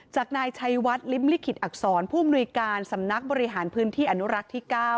จากนายชัยวัดลิ้มลิขิตอักษรผู้อำนวยการสำนักบริหารพื้นที่อนุรักษ์ที่๙